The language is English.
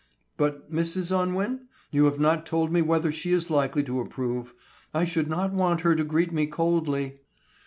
"But Mrs. Unwin? You have not told me whether she is likely to approve. I should not want her to greet me coldly."